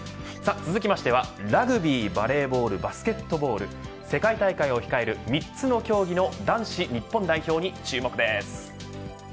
続きましてはラグビー、バレーボールバスケットボール世界大会を控える３つの競技の男子日本代表に注目です。